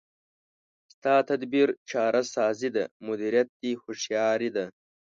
ستا تدبیر چاره سازي ده، مدیریت دی هوښیاري ده